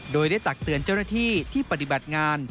โดยได้ตักเตือนเจ้าหน้าที่ที่ปฏิบัติงาน